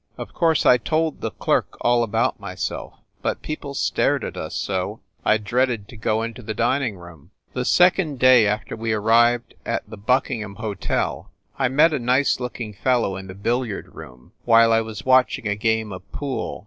Of course I told the clerk all about myself, but people stared at us so I dreaded to go into the dining room. The second day after we arrived at the Bucking 2i6 FIND THE WOMAN ham Hotel I met a nice looking fellow in the bil liard room, while I was watching a game of pool.